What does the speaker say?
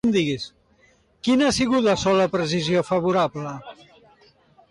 Quina ha sigut la sola precisió favorable?